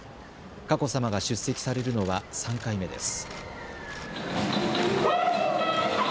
佳子さまが出席されるのは３回目です。